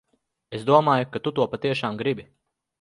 Es domāju, ka tu to patiešām gribi.